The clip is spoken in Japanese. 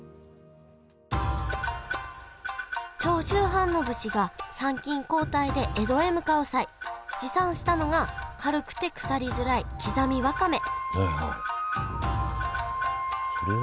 長州藩の武士が参勤交代で江戸へ向かう際持参したのが軽くて腐りづらい刻みわかめそれは？